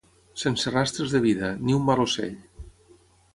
Sense rastres de vida, ni un mal ocell.